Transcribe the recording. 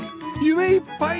夢いっぱい！